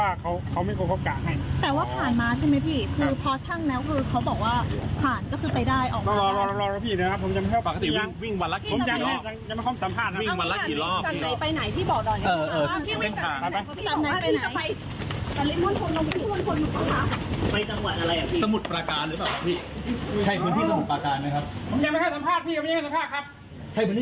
อ่าก็ไหนที่บอกเออต้องยึดแค่หน่อย